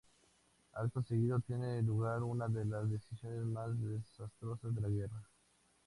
Acto seguido tiene lugar una de las decisiones más desastrosas de la guerra.